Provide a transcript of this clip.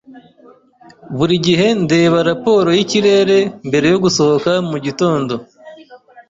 Buri gihe ndeba raporo yikirere mbere yo gusohoka mugitondo.